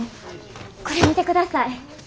これ見てください。